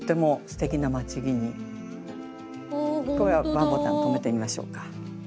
上ボタン留めてみましょうか。